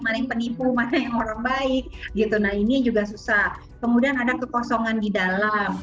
mana yang penipu mana yang orang baik gitu nah ini juga susah kemudian ada kekosongan di dalam